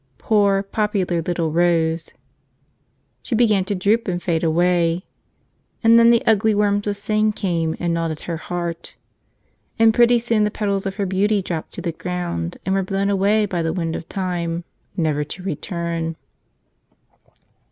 Poor, popular little Rose! She began to droop and fade away. And then the ugly worms of sin came and gnawed at her heart. And pretty soon the petals of her beauty dropped to the ground and were blown away by the wind of time, never to return.